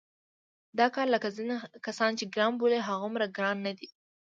دا کار لکه ځینې کسان چې ګران بولي هغومره ګران نه دی.